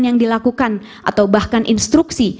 yang dilakukan atau bahkan instruksi